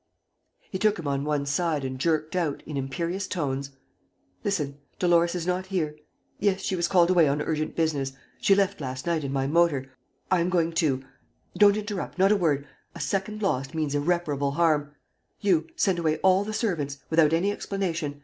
..." He took him on one side and jerked out, in imperious tones: "Listen, Dolores is not here. ... Yes, she was called away on urgent business ... she left last night in my motor. ... I am going too. ... Don't interrupt, not a word! ... A second lost means irreparable harm. ... You, send away all the servants, without any explanation.